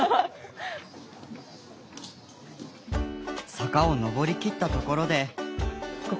坂を上りきったところで。